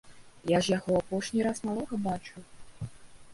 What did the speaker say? Я ж яго апошні раз малога бачыў!